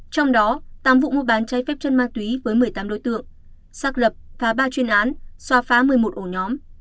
trong đó tám vụ mua bán trái phép chân ma túy với một mươi tám đối tượng xác lập phá ba chuyên án xóa phá một mươi một ổ nhóm